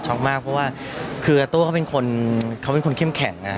ช็อคมากเพราะว่าคืออาตัวเขาเป็นคนเข้มแข็ง